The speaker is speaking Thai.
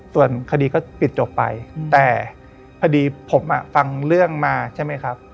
ส่วนคดีก็ปิดจบไปแต่พอดีผมฟังเรื่องมา